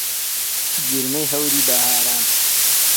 گرمەی هەوری بەهاران